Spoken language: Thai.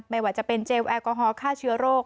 ไม่ว่าจะเป็นเจลแอลกอฮอลฆ่าเชื้อโรค